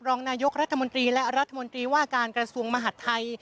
รองนายกรัฐมนตรีและรัฐมนตรีว่าการกระทรวงมหัฐไทย